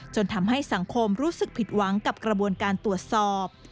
จนทำให้สังคมรู้สึกผิดหวังกับกระบวนการตรวจสอบ